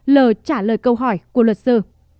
l trả lời câu hỏi của luật sư